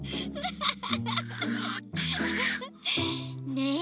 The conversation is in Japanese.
ねえ！